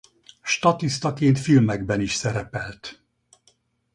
Statisztaként filmekben is szerepelt.